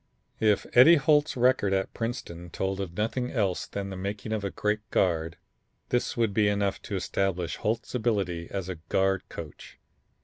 If Eddie Holt's record at Princeton told of nothing else than the making of a great guard, this would be enough to establish Holt's ability as a guard coach.